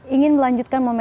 ingin melanjutkan momentum ini